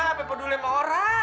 apa peduli sama orang